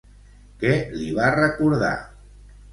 Què li va recordar?